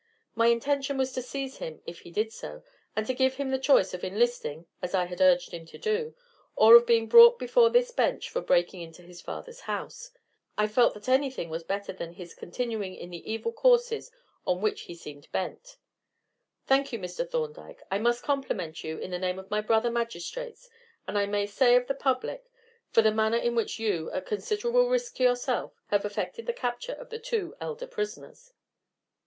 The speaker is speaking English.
My intention was to seize him if he did so, and to give him the choice of enlisting, as I had urged him to do, or of being brought before this bench for breaking into his father's house. I felt that anything was better than his continuing in the evil courses on which he seemed bent." "Thank you, Mr. Thorndyke. I must compliment you in the name of my brother magistrates, and I may say of the public, for the manner in which you, at considerable risk to yourself, have effected the capture of the two elder prisoners."